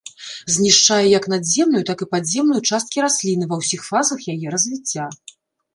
Знішчае як надземную, так і падземную часткі расліны ва ўсіх фазах яе развіцця.